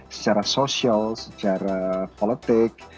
secara sosial secara politik